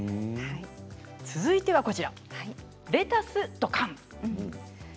続いては「レタスドカン！」。